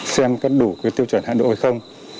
xem có đủ tiêu chuẩn hạn độ hay không